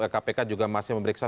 kpk juga masih memeriksa